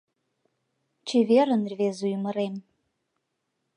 Чеверын, рвезе ӱмырем.